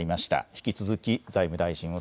引き続き財務大臣を